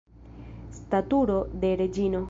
Staturo de reĝino!